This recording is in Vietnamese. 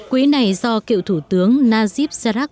quỹ này do cựu thủ tướng najib razak